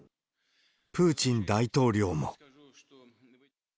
プーチン大統領も。